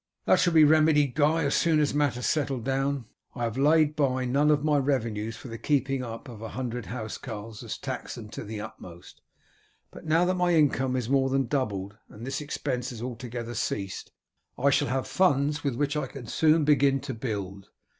"That shall be remedied, Guy, as soon as matters settle down. I have laid by none of my revenues, for the keeping up of a hundred housecarls has taxed them to the utmost, but now that my income is more than doubled, and this expense has altogether ceased, I shall have funds with which I can soon begin to build.